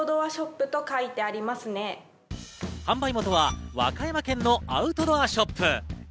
販売元は和歌山県のアウトドアショップ。